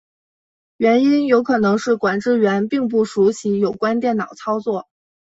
原因有可能是管制员并不熟习有关电脑操作。